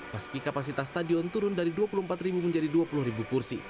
meski kapasitas stadion turun dari dua puluh empat menjadi dua puluh kursi